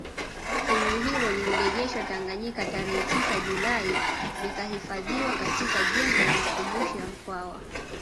Fuvu hilo lilirejeshwa Tanganyika tarehe tisa Julai likahifadhiwa katika jengo la makumbusho ya Mkwawa